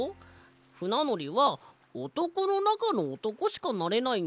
ふなのりはおとこのなかのおとこしかなれないんだよ。